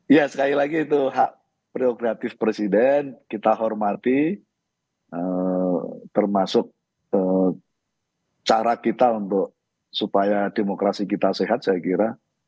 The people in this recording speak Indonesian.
ya sekali lagi itu hak priokratif presiden kita hormati termasuk cara kita untuk supaya demokrasi kita sehat saya kira